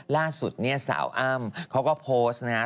ล่าสุดเนี่ยสาวอ้ำเขาก็โพสต์นะครับ